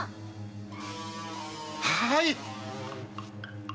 はい。